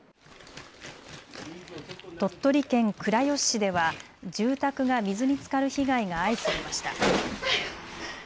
鳥取県倉吉市では住宅が水につかる被害が相次ぎました。